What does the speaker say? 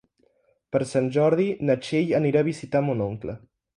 Per Sant Jordi na Txell anirà a visitar mon oncle.